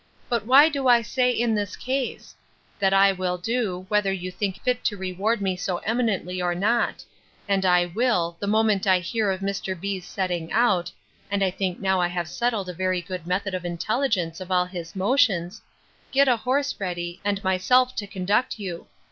But why do I say, in this case? That I will do, whether you think fit to reward me so eminently or not: And I will, the moment I hear of Mr. B——'s setting out, (and I think now I have settled a very good method of intelligence of all his motions,) get a horse ready, and myself to conduct you.